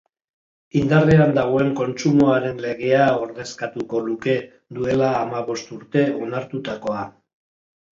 Indarrean dagoen kontsumoaren legea ordezkatuko luke, duela hamabost urte onartutakoa.